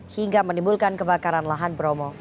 hingga menimbulkan kebakaran lahan bromo